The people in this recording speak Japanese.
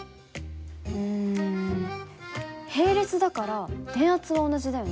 うん並列だから電圧は同じだよね。